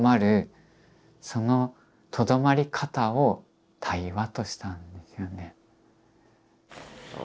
そのとどまり方を対話としたんですよね。